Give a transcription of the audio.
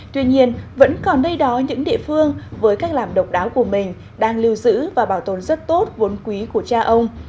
tuy nhiên vẫn còn nơi đó những địa phương với cách làm độc đáo của mình đang lưu giữ và bảo tồn rất tốt vốn quý của cha ông